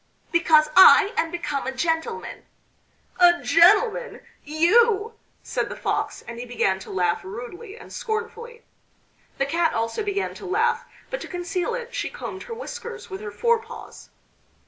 "Because I am become a gentleman." "A gentleman you!" said the Fox, and he began to laugh rudely and scornfully. The Cat also began to laugh, but to conceal it she combed her whiskers with her forepaws.